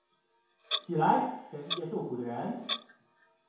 起来，全世界受苦的人！